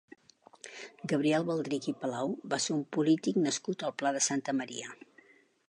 Gabriel Baldrich i Palau va ser un polític nascut al Pla de Santa Maria.